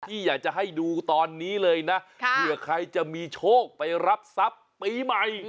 ที่อยากจะให้ดูตอนนี้เลยนะเผื่อใครจะมีโชคไปรับทรัพย์ปีใหม่